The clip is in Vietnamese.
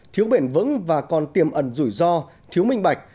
thiếu bền vững và còn tiềm ẩn rủi ro thiếu minh bạch